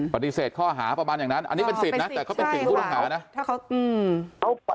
ปฏิเสธข้อหาประมาณอย่างนั้นอันนี้เป็นสิทธิ์นะแต่เขาเป็นสิ่งผู้ต้องหานะถ้าเขาอืม